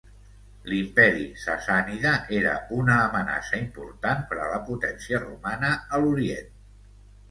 L'Imperi Sassànida era una amenaça important per a la potència romana a l'Orient.